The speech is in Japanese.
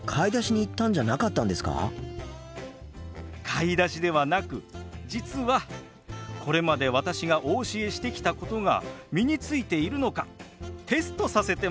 買い出しではなく実はこれまで私がお教えしてきたことが身についているのかテストさせてもらったんです。